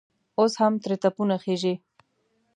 اوس هم ترې تپونه خېژي.